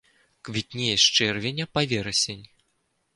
Квітнее з чэрвеня па верасень.